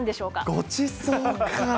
ごちそうかあ。